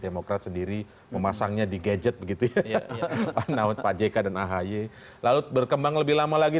demokrat sendiri memasangnya di gadget begitu ya namun pak jk dan ahy lalu berkembang lebih lama lagi